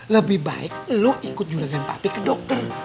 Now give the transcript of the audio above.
lebih baik lo ikut jurgen papi ke dokter